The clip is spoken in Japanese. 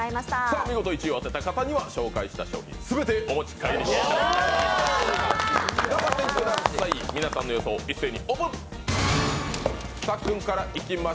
見事１位を当てた方には紹介した商品を全てお持ち帰りいただきます。